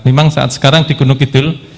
memang saat sekarang di gunung kidul